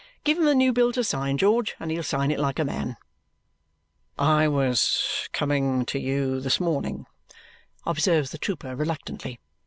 Give him the new bill to sign, George, and he'll sign it like a man." "I was coming to you this morning," observes the trooper reluctantly.